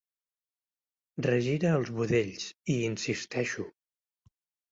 Regira els budells, hi insisteixo.